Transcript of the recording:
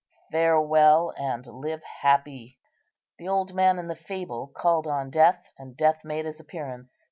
"Farewell, and live happy." The old man in the fable called on Death, and Death made his appearance.